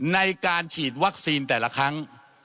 ในการฉีดวัคซีนแต่ละครั้ง